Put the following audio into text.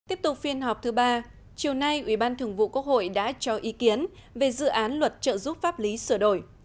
tiếp tục phiên họp thứ ba chiều nay ủy ban thường vụ quốc hội đã cho ý kiến về dự án luật trợ giúp pháp lý sửa đổi